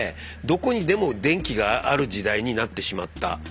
どこにでも電気がある時代になってしまった。